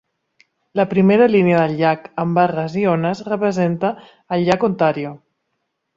La "primera línia del llac", amb barres i ones, representa el llac Ontario.